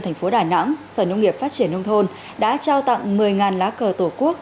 thành phố đà nẵng sở nông nghiệp phát triển nông thôn đã trao tặng một mươi lá cờ tổ quốc